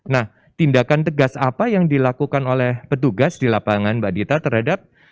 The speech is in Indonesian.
nah tindakan tegas apa yang dilakukan oleh petugas di lapangan mbak dita terhadap